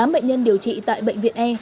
tám bệnh nhân điều trị tại bệnh viện e